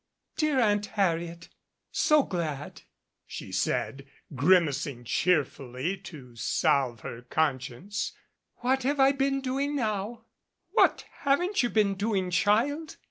"Dear Aunt Harriet. So glad," she said, grimacing cheerfully to salve her conscience. "What have I been doing now?" "What haven't you been doing, child?"